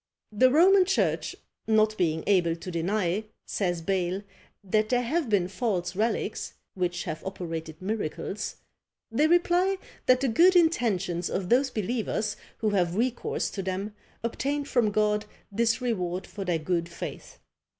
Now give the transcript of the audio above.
The Roman church not being able to deny, says Bayle, that there have been false relics, which have operated miracles, they reply that the good intentions of those believers who have recourse to them obtained from God this reward for their good faith!